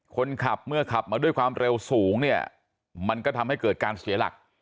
คนขับเมื่อขับมาด้วยความเร็วสูงเนี่ยมันก็ทำให้เกิดการเสียหลัก